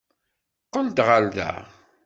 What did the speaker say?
Qqel-d ɣer da!